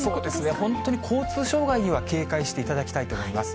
本当に交通障害には警戒していただきたいと思います。